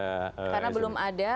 karena belum ada